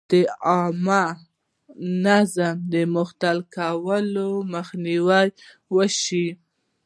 د عامه نظم د مختل کولو مخنیوی وشي.